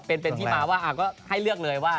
แล้วก็เป็นต์ที่มาว่าให้เลือกเลยว่า